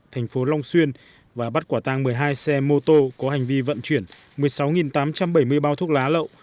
thành phố long xuyên và bắt quả tăng một mươi hai xe mô tô có hành vi vận chuyển một mươi sáu tám trăm bảy mươi bao thuốc lá lậu